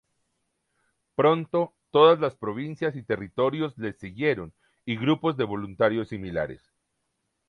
Pronto, todas las provincias y territorios les siguieron y grupos de voluntarios similares.